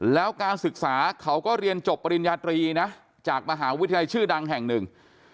แล้วการศึกษาเขาก็เรียนจบปริญญาตรีนะจากมหาวิทยาลัยชื่อดังแห่งหนึ่ง